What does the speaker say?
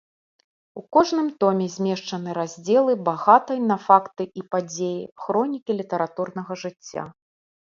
У кожным томе змешчаны раздзелы багатай на факты і падзеі хронікі літаратурнага жыцця.